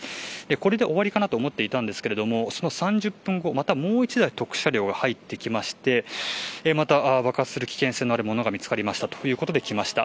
これで終わりかなと思っていましたが、その３０分後またもう１台特殊車両が入ってきてまた爆発する危険性のあるものが見つかりましたときました。